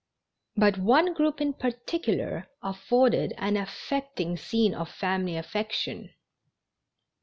But one group in particular afforded an affecting scene of family affection.